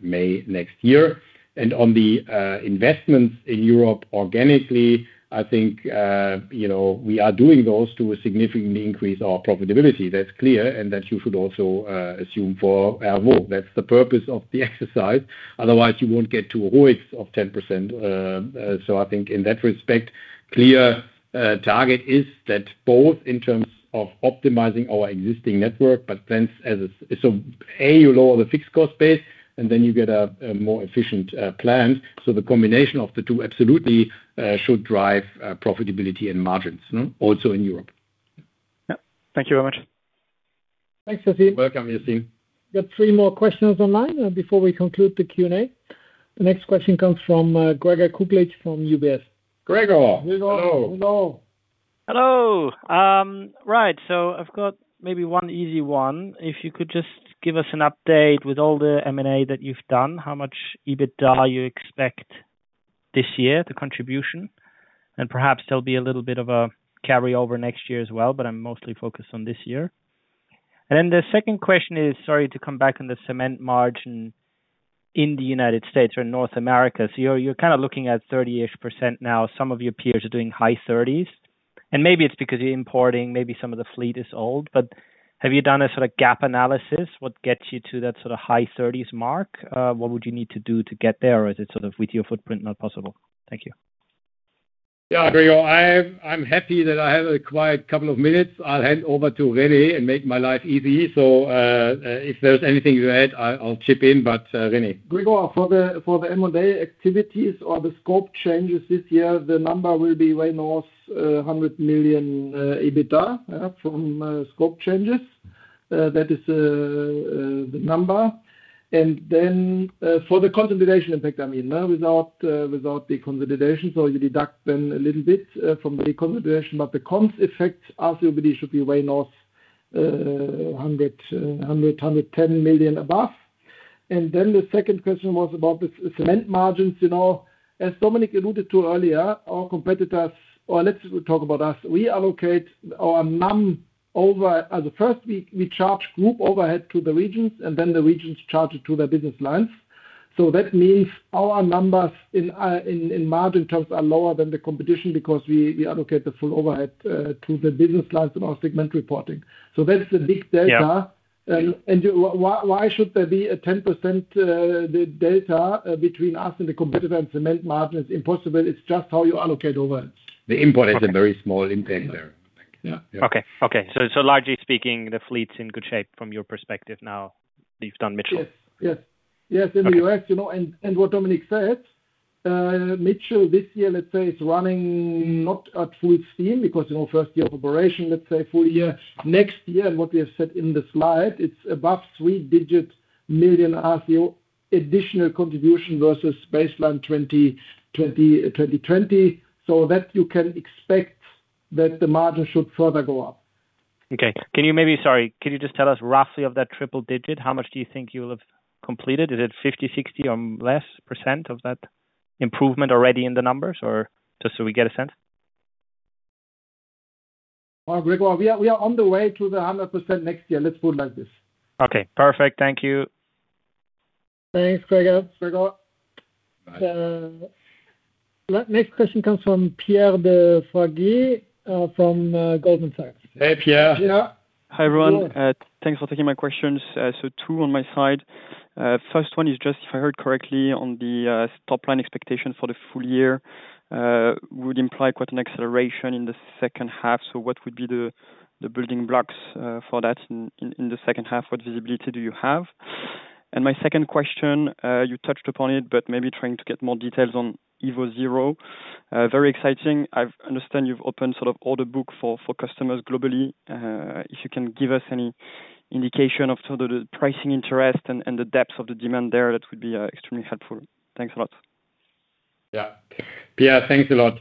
May next year. On the investments in Europe organically, I think, you know, we are doing those to significantly increase our profitability. That's clear, and that you should also assume for our work. That's the purpose of the exercise. Otherwise, you won't get to a ROI of 10%. So I think in that respect, clear target is that both in terms of optimizing our existing network, but then as a... So, A, you lower the fixed cost base, and then you get a more efficient plan. So the combination of the two absolutely should drive profitability and margins also in Europe. Yeah. Thank you very much. Thanks, Yassine. Welcome, Yassine. Got three more questions online before we conclude the Q&A. The next question comes from Gregor Kuglitsch from UBS. Gregor, hello. Gregor, hello. Hello, right. So I've got maybe one easy one. If you could just give us an update with all the M&A that you've done, how much EBITDA you expect this year, the contribution? And perhaps there'll be a little bit of a carryover next year as well, but I'm mostly focused on this year. And then the second question is, sorry, to come back on the cement margin in the United States or North America. So you're kind of looking at 30-ish% now. Some of your peers are doing high 30s, and maybe it's because you're importing, maybe some of the fleet is old, but have you done a sort of gap analysis? What gets you to that sort of high 30s mark? What would you need to do to get there, or is it sort of with your footprint, not possible? Thank you. Yeah, Gregor, I'm happy that I have a quiet couple of minutes. I'll hand over to René and make my life easy. So, if there's anything to add, I'll chip in, but, René. Gregor, for the M&A activities or the scope changes this year, the number will be way north of 100 million EBITDA from scope changes. That is the number. And then, for the consolidation effect, I mean, without the consolidation, so you deduct them a little bit from the consolidation. But the cons effect after EBITDA should be way north of 110 million above. And then the second question was about the cement margins. You know, as Dominik alluded to earlier, our competitors--or let's talk about us. We allocate our NUM over as a first, we charge group overhead to the regions, and then the regions charge it to their business lines. So that means our numbers in margin terms are lower than the competition because we allocate the full overhead to the business lines in our segment reporting. So that's the big delta. Yeah. Why should there be a 10% delta between us and the competitor and cement margin? It's impossible. It's just how you allocate overhead. The import has a very small impact there. Yeah. Okay. So, largely speaking, the fleet's in good shape from your perspective now that you've done Mitchell? Yes. Yes. Yes, in the U.S., you know, and, and what Dominik said, Mitchell, this year, let's say, is running not at full steam, because, you know, first year of operation, let's say full year. Next year, what we have said in the slide, it's above 100 million RCO additional contribution versus baseline 2020. So that you can expect that the margin should further go up. Okay. Sorry, can you just tell us roughly of that triple digit, how much do you think you'll have completed? Is it 50, 60 or less percentage of that improvement already in the numbers, or just so we get a sense? Gregor, we are on the way to 100% next year. Let's put it like this. Okay, perfect. Thank you. Thanks, Gregor. Next question comes from Pierre de Fraguier from Goldman Sachs. Hey, Pierre. Pierre. Hi, everyone. Thanks for taking my questions. So two on my side. First one is just if I heard correctly on the top-line expectation for the full year, would imply quite an acceleration in the second half. So what would be the building blocks for that in the second half? What visibility do you have? And my second question, you touched upon it, but maybe trying to get more details on evoZero. Very exciting. I understand you've opened sort of order book for customers globally. If you can give us any indication of sort of the pricing interest and the depth of the demand there, that would be extremely helpful. Thanks a lot. Yeah. Pierre, thanks a lot.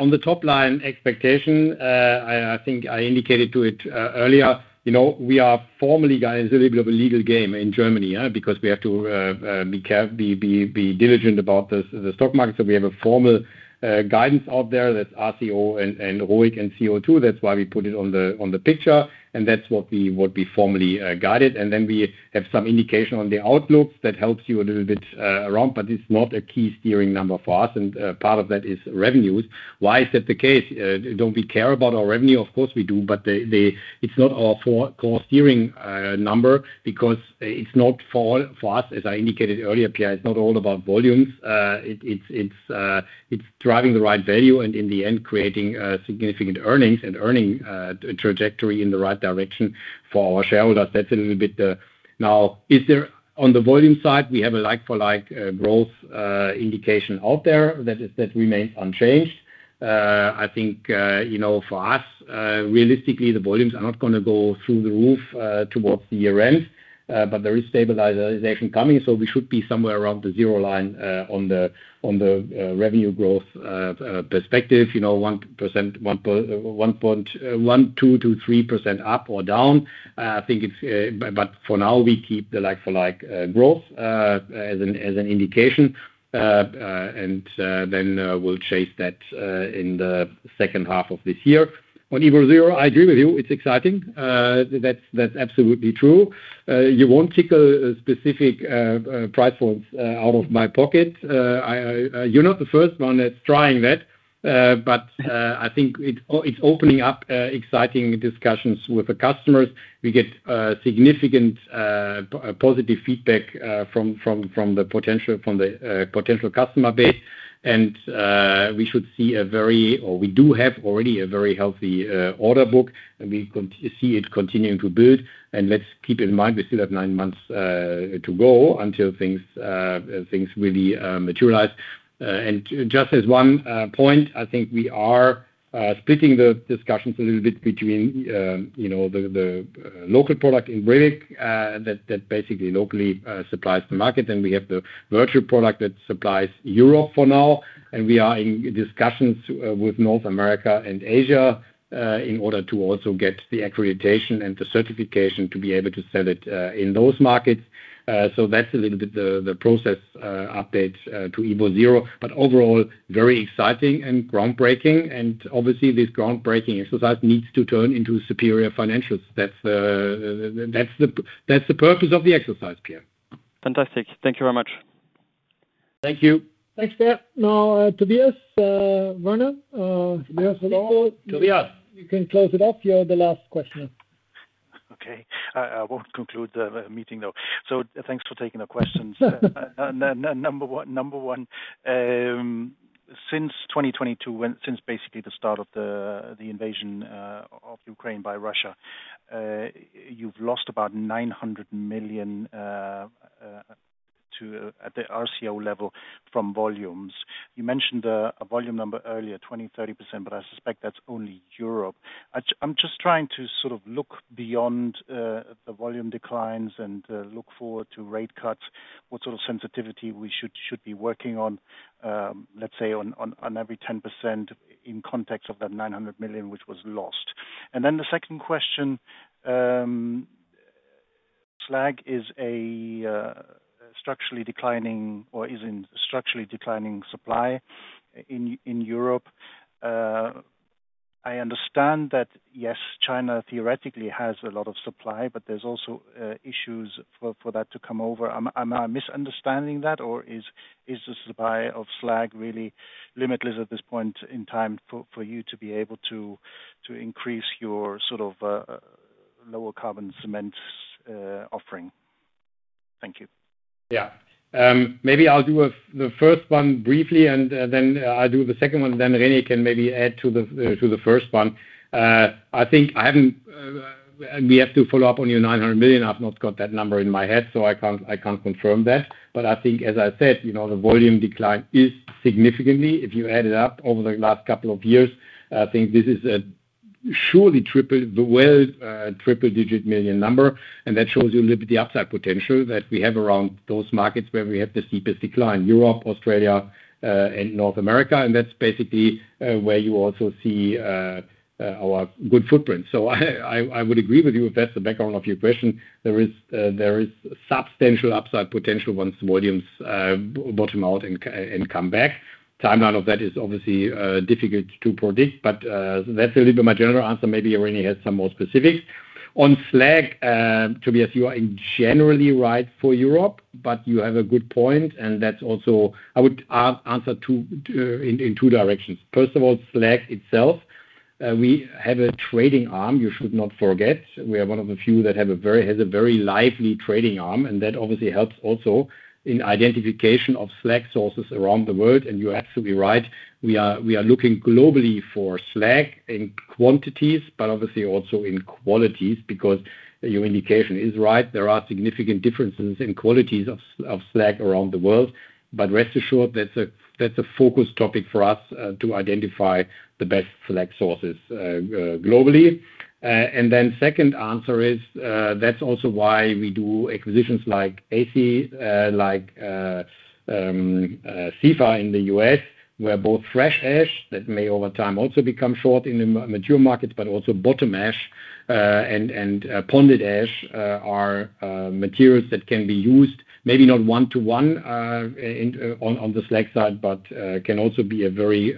On the top line expectation, I think I indicated to it earlier, you know, we are formally, guys, a little bit of a legal game in Germany, yeah. Because we have to be careful, be diligent about the stock market. So we have a formal guidance out there that's RCO, and ROIC and CO2. That's why we put it on the picture, and that's what we formally guide it. And then we have some indication on the outlook that helps you a little bit around, but it's not a key steering number for us, and part of that is revenues. Why is that the case? Don't we care about our revenue? Of course we do, but they, it's not our core steering number, because it's not for us, as I indicated earlier, Pierre, it's not all about volumes. It's driving the right value and in the end, creating significant earnings and earning trajectory in the right direction for our shareholders. That's a little bit. Now, on the volume side, we have a like-for-like growth indication out there that remains unchanged. I think, you know, for us, realistically, the volumes are not gonna go through the roof, towards the year end, but there is stabilization coming, so we should be somewhere around the zero line, on the revenue growth perspective, you know, 1%, 1.1, 2%-3% up or down. I think it's, but for now, we keep the like-for-like growth, as an indication. And then, we'll chase that, in the second half of this year. On evoZero, I agree with you, it's exciting. That's absolutely true. You won't tickle a specific price points out of my pocket. You're not the first one that's trying that, but I think it's opening up exciting discussions with the customers. We get significant positive feedback from the potential customer base. And we do have already a very healthy order book, and we see it continuing to build. And let's keep in mind, we still have nine months to go until things really materialize. And just as one point, I think we are splitting the discussions a little bit between, you know, the local product in Brevik that basically locally supplies the market. Then we have the virtual product that supplies Europe for now, and we are in discussions with North America and Asia in order to also get the accreditation and the certification to be able to sell it in those markets. So that's a little bit the process update to evoZero, but overall, very exciting and groundbreaking. And obviously, this groundbreaking exercise needs to turn into superior financials. That's that's the purpose of the exercise, Pierre. Fantastic. Thank you very much. Thank you. Thanks, Pierre. Now, Tobias Woerner, hello. Tobias. You can close it off. You are the last question. Okay. I won't conclude the meeting, though. So thanks for taking the questions. Number one, since 2022, when since basically the start of the invasion of Ukraine by Russia, you've lost about 900 million to at the RCO level from volumes. You mentioned a volume number earlier, 20%-30%, but I suspect that's only Europe. I'm just trying to sort of look beyond the volume declines and look forward to rate cuts. What sort of sensitivity we should be working on, let's say on every 10% in context of that 900 million, which was lost? And then the second question, slag is a structurally declining or is in structurally declining supply in Europe. I understand that, yes, China theoretically has a lot of supply, but there's also issues for that to come over. Am I misunderstanding that, or is the supply of slag really limitless at this point in time for you to be able to increase your sort of lower carbon cement offering? Thank you. Yeah. Maybe I'll do the first one briefly, and then, I'll do the second one, then René can maybe add to the, to the first one. I think I haven't, and we have to follow up on your 900 million. I've not got that number in my head, so I can't confirm that. But I think, as I said, you know, the volume decline is significantly. If you add it up over the last couple of years, I think this is a surely triple, well, triple digit million number. And that shows you a little bit the upside potential that we have around those markets where we have the steepest decline, Europe, Australia, and North America, and that's basically, where you also see, our good footprint. So I would agree with you, if that's the background of your question. There is substantial upside potential once volumes bottom out and come back. Timeline of that is obviously difficult to predict, but that's a little bit my general answer. Maybe René has some more specifics. On slag, Tobias, you are generally right for Europe, but you have a good point, and that's also. I would answer too in two directions. First of all, slag itself, we have a trading arm, you should not forget. We are one of the few that have a very lively trading arm, and that obviously helps also in identification of slag sources around the world, and you're absolutely right. We are looking globally for slag in quantities, but obviously also in qualities, because your indication is right. There are significant differences in qualities of slag around the world. But rest assured, that's a focus topic for us to identify the best slag sources globally. And then second answer is, that's also why we do acquisitions like Ace, like Carver in the U.S., where both fresh ash, that may over time also become short in the mature markets, but also bottom ash, and ponded ash, are materials that can be used, maybe not one-to-one, on the slag side, but can also be a very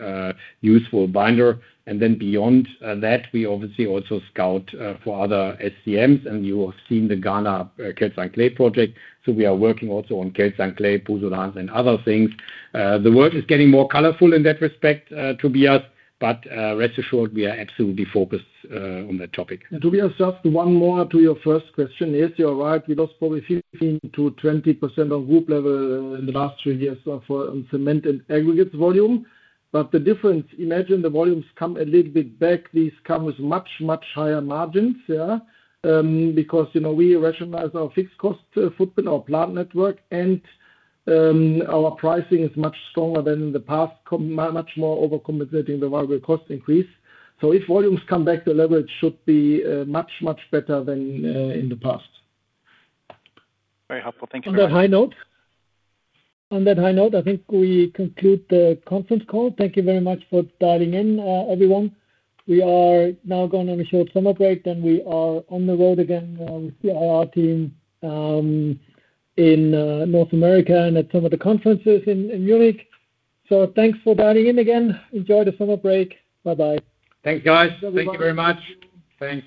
useful binder. Then beyond that, we obviously also scout for other SCMs, and you have seen the Ghana calcined clay project. We are working also on calcined clay, pozzolanas, and other things. The world is getting more colorful in that respect, Tobias, but rest assured we are absolutely focused on that topic. Tobias, just one more to your first question. Yes, you're right, we lost probably 15%-20% of group level in the last three years for, on cement and aggregates volume. But the difference, imagine the volumes come a little bit back, these come with much, much higher margins. Yeah, because, you know, we rationalize our fixed cost footprint, our plant network, and, our pricing is much stronger than in the past, much more overcompensating the raw material cost increase. So if volumes come back to level, it should be, much, much better than, in the past. Very helpful. Thank you very much. On that high note, I think we conclude the conference call. Thank you very much for dialing in, everyone. We are now going on a short summer break, then we are on the road again, with our team, in North America and at some of the conferences in Munich. So thanks for dialing in again. Enjoy the summer break. Bye-bye. Thanks, guys. Thank you very much. Thanks.